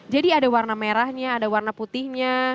jadi ada warna merahnya ada warna putihnya